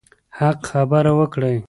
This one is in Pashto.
حق خبره وکړئ.